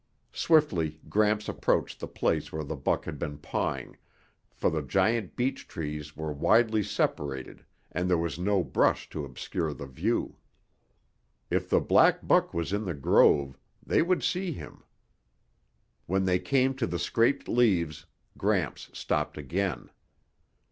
Swiftly Gramps approached the place where the buck had been pawing, for the giant beech trees were widely separated and there was no brush to obscure the view. If the black buck was in the grove, they would see him. When they came to the scraped leaves, Gramps stopped again.